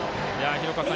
廣岡さん